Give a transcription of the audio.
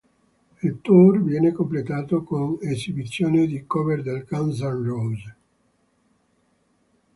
Il tour viene completato con esibizioni di cover dei Guns N'Roses.